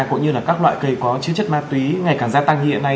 cũng như là các loại cây có chứa chất ma túy ngày càng gia tăng như hiện nay